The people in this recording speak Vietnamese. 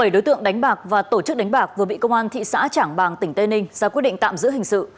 bảy đối tượng đánh bạc và tổ chức đánh bạc vừa bị công an thị xã trảng bàng tỉnh tây ninh ra quyết định tạm giữ hình sự